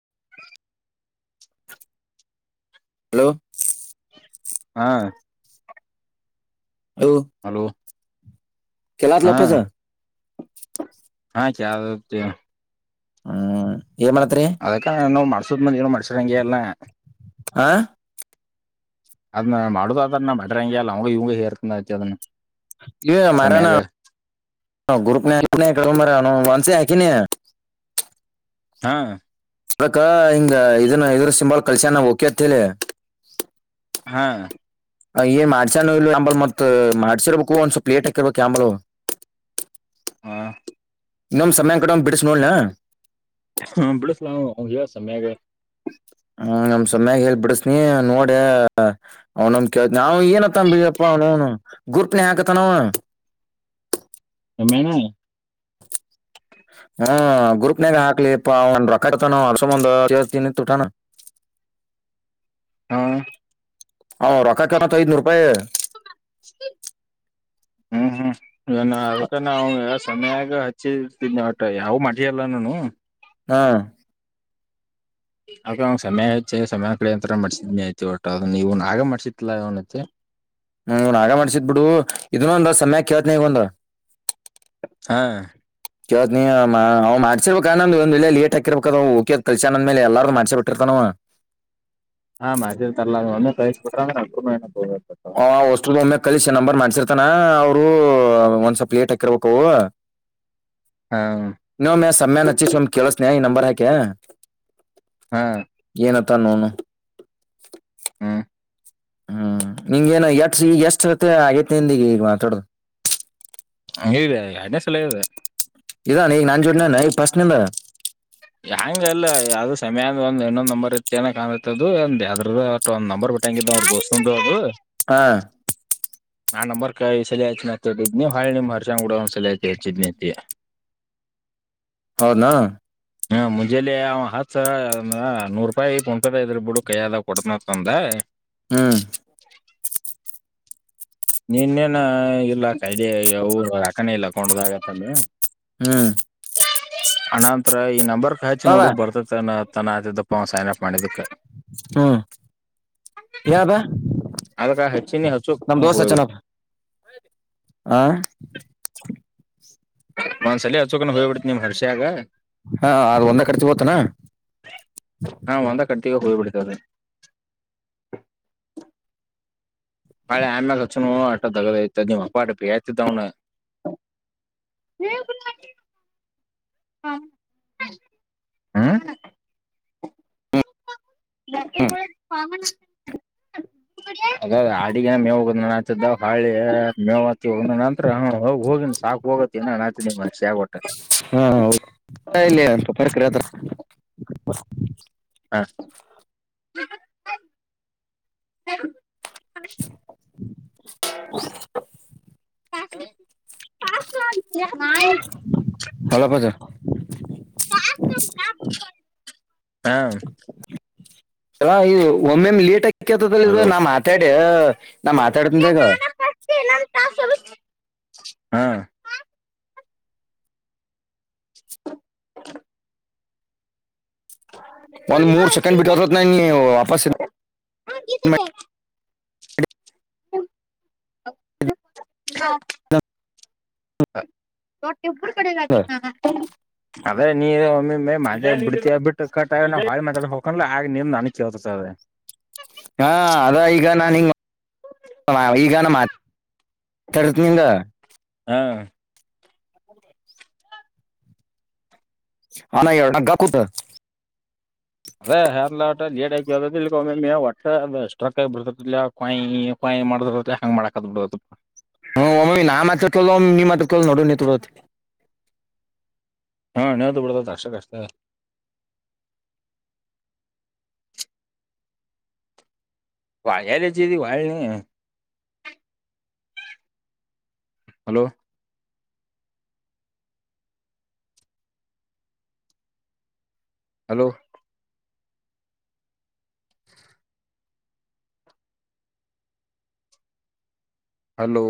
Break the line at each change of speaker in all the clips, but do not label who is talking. [inaudible]
Hello
ಹಾ. Hello.
ಕೆಲತ್
ಹಾ
ಲಪ್ಪಸ.
ಹಾ [unintelligible]
ಹಾ.
ಅದಕ್ಕ ನಾನು ಮಾಡ್ ಸುಮ್ಮನಿರು ಮನ್ಶರಂಗೇ ಅಲ್ಲ.
ಹಾ
ಅದ್ನ ಮಾಡುದ್ ಅದ್ರ ನ ಬಡ್ರ ಹಂಗಗೆ ಅಲ್ಲ ಅವ್ ಇವ್ ಹೇರ್ತ ಐತಿ ಅದನ್ನ.
ಇವೆ ಮಾರೇನ [unintelligible]
ಸಮ್ಯಾಗ
ಹಾ ಮಂಸಿ ಹಾಕಿನಿ.
ಹಾ.
ಅಕ್ಕ ಹಿಂಗ ಇದನ್ನ ಇದ್ರ ಸಿಂಬಾಲ್ ಕಲ್ಸ್ಯ ನ ಓಕಿ ಅತ್ ಹೇಳಿ
ಹಾ
ಅ ಏನ್ ಮಾಡ್ಸಾನ ಇ ಅಂಬಲ್ ಮತ್ತ್ ಮಾಡ್ಸಿರ್ಬೇಕು ಒಂದ್ ಸ್ವಲ್ಪ ಲೇಟ್ ಹಾಕಿರ್ಬೇಕು ಅಂಬಲ್
ಹ
ಇನ್ನೊಂದ್ ಸಮಯ ಕಡ್ ಬಿಡಿಸ ನೋಡನಾ.
[unintelligible]
[unintelligible]
[unintelligible]
ಹ್ಮ ಗ್ರೂಪ್ನಾಗ ಹಕ್ಲೆಪ್ಪ ಒಂದ ರೊಕ್ಕತಾನ [unintelligible]
ಹಾ
ಹ ರೊಕ್ಕ ಕೇಳ್ತಾನ ಐದನೂರು ರೂಪಾಯಿ.
ಹಾ ಹಾ [unintelligible] ತಯಾವ್ ಮಟಿ ಅಲ್ಲ ನಾನು
ಹ
[unintelligible]
ಹ್ಮ್ ನಾನೇ ಮಾಡ್ಸಿದ್ ಬಿಡು. ಇನ್ನೊಂದ ಸಮಯ ಕೇಳ್ತೀನಿ ಈಗ ಒಂದ.
ಹಾ
ಕೇಳ್ತೀನಿ ನೀ್ ಮಾಡ್ಸಿರ್ಬೇಕ ಅ ನಂದ ಒಂದ್ಳ್ಳೆ ಲೇಟ್ ಹಾಕಿರ್ಬೇಕದ ಓಕಿದ್ ಕಲ್ಸ್ಯ ಅಂದ್ಮೇಲೆ ಎಲ್ಲಾರು ಮಾಡ್ಸಿ ಬಿಟ್ಟಿರ್ತ ನವು.
[unintelligible]
ಹ ಒಟ್ಟಿಲ್ಲೇ ಒಮ್ಮೆ ನಂಬರ್ ಮಾಡ್ಸಿ ಅತನಾ ಅವರು ಒಂದ್ಸವಲ್ ಪ್ಲೇಟ್ ಹಾಕಿರ್ಬೇಕವು
ಹಾ
[unintelligible]
ಹಾ
[unintelligible]
ಹ್ಮ್
ಹ್ಮ್ ನಿಂಗೇನ ಎಷ್ಟ ಈ ಎಷ್ಟ ಜತೆ ಆಗೈತಿಂದಗ ಈಗ ಮಾತಾಡದು.
ಹಂಗ ಎರಡನೇ ಸಲ ಇದೆ.
ಇದಾನ ಈಗ ನಾನ್ ಜೋಡನ ಈಗ ಫಸ್ಟ್ ನಿಿಂದ.
ಹೆಂಗ ಅಲ್ಲ ಯಾವ [unintelligible]
ಹಾ
[unintelligible]
ಹೌದನಾ
ಹ್ಮ ಮುಂಜಾಲೆ ಅವ ಹತ್ಸ ನೂರು ರೂಪಾಯಿ ಫೋನ್ಪೆ ರೂಪಾಯ ಇದ್ರ ಬಿಡು ಕೈಯದ ಕೊಡತನಂದ [inaudible]
ಹ್ಮ್
ನೀನ್ನೇನ ಇಲ್ಲ ಕೈದಾಗ ಅಕೌಂಟ್ ನಾಗಲ್ಲ ಕೊಂಡದ ಆಾಗತ್ತ ನೀ [unintelligible]
ಹ್ಮ್
ಅನಂತರ ಈ ನಂಬರ್ ಹಚ್ಚ ನೋಡು
ಬಾಬಾ
ಬರ್ತತೆನ ಆದಿದ್ದಪ್ಪ ಅವ್ ಸೈನ್ ಅಪ್ ಮಾಡಿದ್ದಕ್ಕೆ
ಹ್ಮ್ [unintelligible]
ಅದಕ್ಕ ಹಚ್ಚಿನಿ ಹಚ್ಚೋಕ್
ನಮ ದೋಸ
ಹೋಗ್ಬಿಡ್ತಿ
ಚೆನಪ್ಪ ಆ
ನಂದ್ಸಲ ಅಚೋಕೊಂಡ ಹೋಗ್ಬಿಡ್ತಿ ನಿಮ್ ಹರ್ಷಿಯಾಗ [unintelligible]
ಹಾ ಅದ ಒಂದ ಕಡ್ತ ಗೋತನಾ [unintelligible]
ಗ ಉೋಗಪುತ್ತದೆ [unintelligible] ಅಳೆ ಆಮ ಕು ಆಗ ಮಪ್ಪಾಟ ಪತ ತ [unintelligible] ಹಾ ಹಾ ಯ ಹಾಮ [unintelligible] [inaudible] ಹಾಗ ಅಡಿಗ ಮೇ ಹೋಗ ನಾಚಿದ್ದ ಹಾಳೆ ಮೇವತ್ತ ನಂತರ ಹೋಗ ಹೋಗ ಸಾಕು ಹೋಗತ್ತ ಇನ್ನ ನಾಚನ ಮ ಸಗಟ್ಟೆ
ಇಲ್ಲ ಪರಕ್ರ ಹತ್ರ [unintelligible] [inaudible]
ಹ [inaudible]
ಹ [inaudible]
ಹಾ [inaudible] [inaudible]
ಹೊಲಪದ [inaudible]
ಹಾ
ಹ ಇದು ಒಮ್ಮೆ ಲೇಟ್ ಆಕ್ [unintelligible] ಕೆ್ಯತದಲ್ಲಿ ಇ
ಹಲೋ
ನಾ ಮಾತಾಡ ನಾ ಮಾತಾಡ್ತ್ನ್ ತಗೋ
ಹಾ [inaudible]
ಒಂದ್ ಮೂರು ಸೆಕೆಂಡ್ ಬಿಟ್ಟುತತ್ ನಾನ ನೀವು ವಾಪಸ್. [inaudible]
ಹ. [inaudible] ಹ [inaudible]
ಇದ್ದ
ಅ್ರೆ ನೀ ಒಮ್ಮ ಮ ಬಿತ ಬಿಟ್ಟು ಕಟ್ಟ ನಿ ಮಾತಾ ಹೊಂಡ್ ಆಗ ನೀ ನ [unintelligible] ತ್ತು ಸೆ [inaudible]
ಹಾ ಅದ ಈಗ ನಾ ಹಿಂಗ್ ಈಗ [unintelligible] ನತರ್ತ ನಿಂಗ.
ಹಾ.
ಹಾನ ಎರಡಗ್ಗ ಕುೂತ.
ಅದೇ ಹಲಾ ಜೀಡಿದ ಇ ಒಟ್ಟೆ ಎಷ್ಟ ರಕ್ಕಗಿ ಬಿಡತಾಯಿ ಕಾಯಿ ಮಾಡ ಹಂಗ ಮಾಡಕದ್ ಬಿಡದ [unintelligible]
ಹ್ಮ ಒಮ್ಮ ನಾ ಮಾತ್ರ ಕಲ ಮೀ ಮಾತ್ರ ಕಲ ನೋಡೋತ [unintelligible]
ಹಾ ನನ್ಯವು ದದುಬಡದ ಕಷ್ಟತ ಕಷ್ಟತ. [unintelligible] ಎಲೆಜರಿ ವ ನೀ. Hello. Hello. Hello.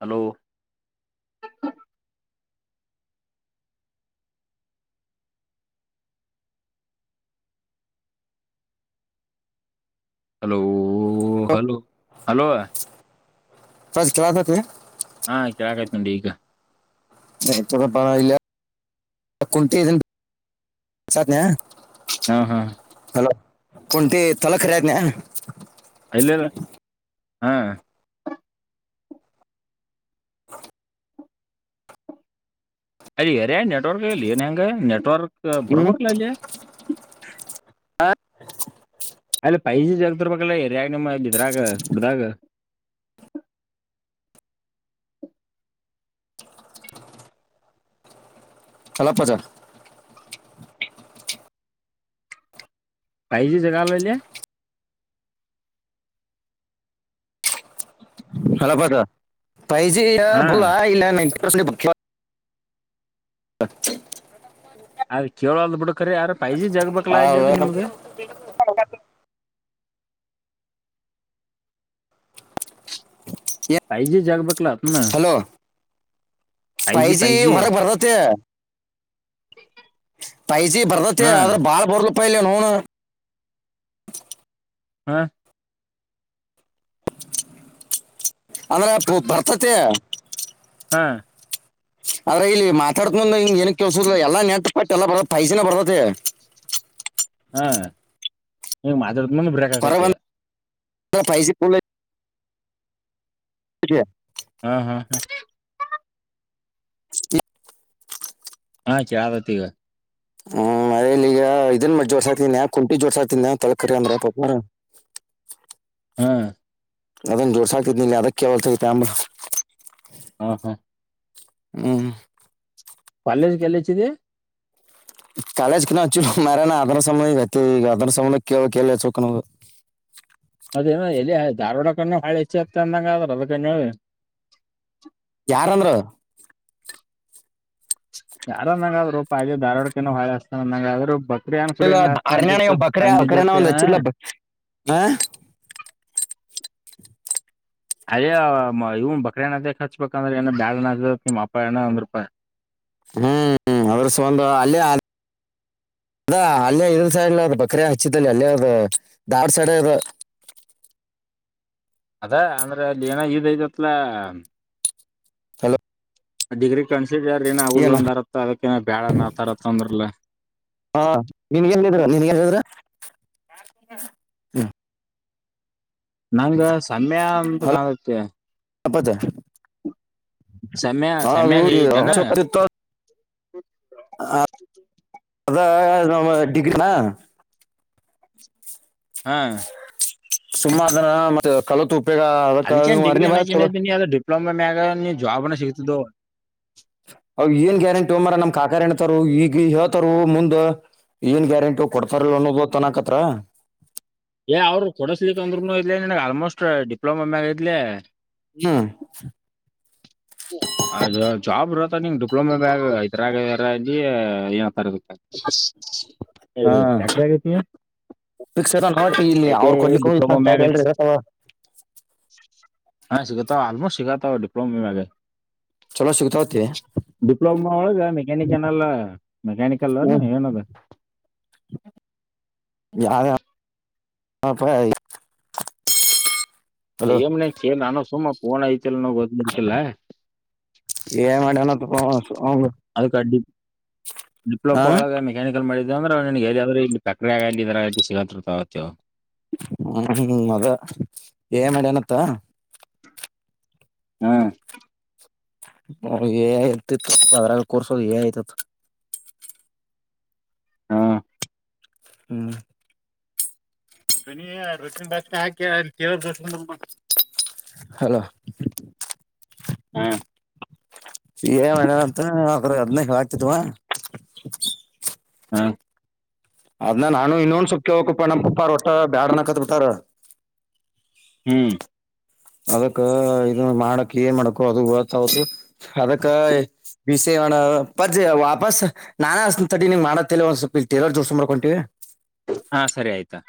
Hello. Hello. ಓ ಹಲೋ ಹಲೋ.
ಬ ಕತತೆೆ.
ಹಾ ಕೆಳಕ್ ಆಯ್ತಡಿ ಈಗ.
ಪ ಇಲ್ಲ ಕು.
ಹಾ ಹಾ.
ಹಲ ಪ ತಲಕರಿತನ.
ಅಲ್ಲಿಲ್ಲ. ಹಾ ಅಲ್ಲಿ ಯಾರ ನೆಟ್ವರ್ಕ್ಲ್ಲಿಏ ನ ಹೆಂಗಗೆ ನೆಟ್ವರ್ಕ್
ಹ್ಮ್
ಬರ್ಬೇಕಲ್ಲ ಅಲ್ಲಿ
[inaudible] ಹ ಹ [unintelligible]
ಅಲ್ಲಿ ಪೈಜೆ ಜಗದರ ಬಕ್ಕಲ್ಲ ಎರಿಗಮ್ಮ ಇದಿದ್ರಾಗ ಕುಡದಾಗ [inaudible]
ಚಲಪ್ಪಜ
ಪಜೆ ಜಗಾವಲೆ [inaudible]
ಹಲಬದ ಪೈಜೆ ಯ
ಹಾ
ಬೋಲ ಆಯಲ್ಲ ನ ಸನೆ ಬಕ್ಷ್ಯ ಹ
ಅದ ಕೇಳ ವಾಲ್ಡ್ಬಿಡು ಖರೆ ಯಾರ ಪಾಯಜಿ ಜಗಬೇಕಕ್ಲ ಇಲ್ಲ ಅಂತ ನಿಮ್ಗೆ ಪಾಯಜೆ ಜಗ ಬಕಲತ್ ನ
ಹಲೋ ಫೈ
ಪಜಿ
ಜಿ
ಪಜಿ
ಪೈಸಿ ಬರ್ದತಿ
ಹಾ
ಆದ್ರ ಬಾಳ್ ಬರ್ ಪಲೆನು ಹನ
ಹಾ
ಅಂದ್ರೆ ಬರ್ತತಿ
ಹಾ
ಆದ್ರ ಇಲ್ಲಿ ಮಾತಾಡ್ಕೊಂಡು ಎಲ್ಲಾ ನೆಟ್ ಪಟ್ಟಿ. ಎಲ್ಲಾ ಪೈಜಿನ್ ಬರ್ತಿತ್ತೆ
ಹಾ ಮಾತಾಡ್ ಕೋಡ್ ಇನ್ನೆಂದೂ ಬ್ರೇಕ್ ಆಕತ್ತೇ
ಫೈಸಿ ಪುಲ್ ಬ
ಹಾ ಹಾ ಹಾ
ಹ
ಹಾ ಚಹಾದ್ ಒಂತಿಗೆ
ಹ್ಮ್ ಮೇಲಿ ಈಗ ಇದನ್ ಮ ಜೋರ್ಸ್ ಆಕ್ತಿನಯ ಕುಂಟಿ ಜೋರ್ಸ ಆಗ್ತಿನಿ ತಳಕರಿ ಅಂದ್ರ ಪಕ್ರರ.
ಹಾ
ಅದನ್ ಜೋಡ್ಸ ಆಗ್ತಿದ್ ನಿನ್ ಅದಕ್ಕೆವಲ್ಸತ ಅಂಬ
ಹಾ ಹಾ
ಹ್ಮ್
ಕಾಲೇಜ್ ಎಲ್ಲಿ ಅಂಚಿದ್ದಿ.
ಕಾಲೇಜ್ ಕ ಮಾರನ ಅದರ ಸಮಯ ಅದರ ಸಂಬಂಧ ಎಲ್ಲಿ ಹಚ್ಚ ಬೇಕು ಕೇಳಬೇಕು.
[unintelligible] ಅರ್ಥ ಆಗಲಿಲ್ಲ
ಯಾರಂದ್ರು
ಯಾರ ನಂಗ್ರು ಧಾರವಾಡಕ್ಕ್ ಒಳ್ಳಿ ಅಚ್ಚ ತಾನ್ ನಂಗ್ ಆದ್ರರು ಬ
ಇಲ್ಲ ಅರ್ರಣಾನ ಬಕ್ರ ಅ ಒ ಅಚರ್ಲ ಪಾ
ಅಯೇ ಇವ್ನ್ ಬಕ್ರನ ಅದ ಹರ್ಚ್ಬೇಕಂದ್ರೆ ಏನ ಬ್ಯಾಡ ನಿಮ್ಮ್ ಅಪ್ಪ ಏನ ಒಂದ್ ರೂಪಾಯಿ.
ಹ್ಮ್ ಅದ್ರಸ ಒಂದು ಅಲ್ಲ ಅದ ಅಲ್ಲೇ ಇದ್ರ ಸೈಡ್ ಅದು ಬಕ್ರ ಹಚ್ಚಿದಲ್ಲಿ ಅಲ್ಲೇ ಅದು ಧಾರವಾಡ ಸೈಡ್ ಅದು.
ಅದ ಅಂದ್ರೆ ಅಲ್ಲಿ ಏನ್ ಇದ ಇದತ್ಲ ಅಲ್ಲ.
ಹಲೋ
ಅ ಡಿಗ್ರಿ ಕಣ್ಸಿದ್ಯಾರ ನ ಹುಲ್ಲ
ಏನ
ಒಂದ್ ಅರತ್ತ ಅದಕ್ಕ ಬ್ಯಾಳ ನ ತರತ್ತ್ ಅಂದ್ರ ಅಲ್ಲ.
ಹಾ ನಿನ್ಗೆನ್ದರಾ ನೀನ್ಗೆನದ್ರ ಹ್ಮ್
ನಂಗ್ ಸಮಯ ಅಂತಾ ಕಾಲಕ್ಕೆ
ಅಪ್ಪಾಜಿ [unintelligible] ಅರ್ಥ
ಸಮಯ ಸಮಯ ಹೇಳಿದ್ದೇನ
ಆಗಲಿಲ್ಲ
[inaudible]
ಅದ ನಮ್ಮ ಡಿಗ್ರಿ ನಾ
ಹಾ
ಸುಮ್ಮದನ ಮತ್ತೆ ಕಲಿತು [unintelligible] ಅರ್ಥ ಆಗಲಿಲ್ಲ
ಡಿಪ್ಲೋಮಾ ಮ್ಯಾಗ ನಿ ಜಾಬ್ ಅನ್ನು ಸಿಗುತ್ತಿದ್ದು
ಹ ಏನ್ ಗ್ಯಾರಂಟಿ ಒ ಮಾರ ನಮ್ ಕಾಕ ಎಣತಾರ ಈಗ ಹೇಳ್ತಾರ ಮುಂದ್ ಏನ್ ಗ್ಯಾರಂಟಿ ಕೊಡ್ತಾರಲ್ ಅನ್ನೋದು ತನಕತ್ರ.
ಏ ಅವರು ಕೊಡಸಲಿಕ್ ಅಂದ್ರರುನು ಇಲ್ಲೆ ನನ್ಗ್ ಆಲ್ಮೋಸ್ಟ್ ಡಿಪ್ಲೋಮಾ ಮ್ಯಾಗ ಐತ್ಲೇ
ಹ್ಮ
ಅ ಜಾಬ್ ಇರತ್ತ ನಿಂಗ ಡಿಪ್ಲೊಮಾ ಬ್ಯಾಗ ಇದ್ರಾಗ [unintelligible] ಏನತರ ಕಕ
ಹಾ
ಜಾಗೆತಿ [unintelligible]
ಫಿಕ್ಸ್ ಅದ ನೋಟ್ ಇಲ್ಲಿ
ಐತೆ
ಅವ್ರು ಕೊಡ್ಲಿಕ್ಕೆ ಹೋಗಿ
ಡಿಪ್ಲೊಮಾ ಮ್ಯಾಗ್
ಸೈಡ್
ಐತ್
ಎಲ್ರಿ ಇರತ್ತವ
ಹ ಸಿಗತ್ತ ಆಲ್ಮೋಸ್ಟ್ ಸಿಗ ಡಿಪ್ಲಮಾಗೆ
ಚಲೋ ಸಿಗ್ತಾವತಿ
[unintelligible] ಡಿಪ್ಲೋಮಾ ಹ ಮೆಕೆನಿಕಲ್ಲ್ ಮೆಕೆನಿಕಲ್ ಅ ಏನದು
ಯಾರ ಪ
್ಏ್ ನ ಕೆ ನಾನ ಶು ಮ [unintelligible] ೋನ್ ಆ್ [unintelligible] ನ ಗೊದರ್ತಿಲ್ಲ
ಏನ್ ಮಾಡ್ಯನತ್ತಪ್ಪ ಅವ
ಅದಕ್ಕೆ ಡಿ
ಹ
ಡಿಪ್ಲೋಮಾ ಒಳಗೆ ಮೆಕ್ಯಾನಿಕಲ್ ಮಾಡಿದ [unintelligible] [inaudible] ಇಂದ್ರೆ ನನ್ಗೆಾದ್ರರು ಇಲ್ಲಿ ಪ್ರಕ್ರಿಯಾಗ ಇದ ಸಿಗತ್ತತ [unintelligible]
ಹ್ಮ ಹ್ಮ್ ಅದ ಏ ಮಾಡಿನತ್ತ
ಹ್ಮ
ಹ ಏ ಆಯತಿತ್ತು ಅದ್ರಾಗ ಕೂರ್ಸೋದು ಏ ಆಯತಿತ್ತು
ಹಾ
ಹ್ಮ್ ಿ ರೊಿನ ದಾ ಹಾಕಿ ಹಲೋ [unintelligible]
ಹ್ಮ
ಏಣಂತ ಅವಕ ಹದ್ನೈಕ ಆಗ್ತತ್ವಾ
ಹಾ
ಅದ್ನ ನಾನು ಇನ್ನೊಂದು ಸೊಪ್ಕ ಹೋಗಕಪ್ಪ ನಮ್ಮ ಪಪ್ಪ ಒಟ್ಟ ಬ್ಯಾಡಣ ಕತ್ ಬಿಟಾರ
ಹ್ಞೂ
ಅದಕ್ಕ ಇ ಮಾಡಕ್ ಏನ್ ಮಾಡಕು ಅದು ಗತ್ತು ಅದಕ್ಕ ಬಿಸಣ ಪರ್ಜೆ ವಾಪಸ್ ನಾನ ತಟ ನೀ ಮಾಡ ಒಂದ್ ಸ್ವಲ್ಪ ಇಲರ್ ಜೋಸ ಮಾಡ್ಕೊಂತಿವವಿ [unintelligible]
ಹಾ ಸರಿ ಆಯ್ತಾ